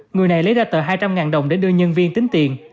người này lấy ra tờ hai trăm linh đồng để đưa nhân viên tính tiền